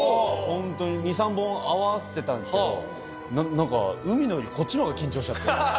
ホントに２３本合わせたんですけどなんか海野よりこっちの方が緊張しちゃって。